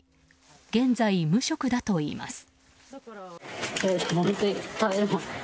現在、無職だといいます。